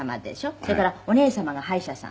それからお姉様が歯医者さん。